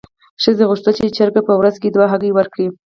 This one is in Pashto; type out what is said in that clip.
ښځې غوښتل چې چرګه په ورځ کې دوه هګۍ ورکړي.